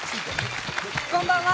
こんばんは。